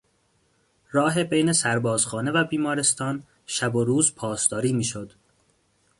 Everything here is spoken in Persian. راه بین سربازخانه و بیمارستان شب و روز پاسداری میشد.